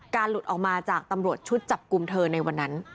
หลุดออกมาจากตำรวจชุดจับกลุ่มเธอในวันนั้น